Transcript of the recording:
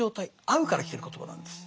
「合う」から来てる言葉なんです。